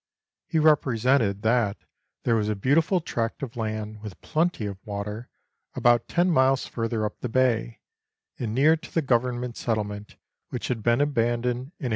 He represented that there was a beautiful tract of land, with plenty of water, about ten miles further up the bay, and near to the Government settlement which had been abandoned in 1827.